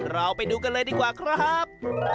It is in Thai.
เราไปดูกันเลยดีกว่าครับ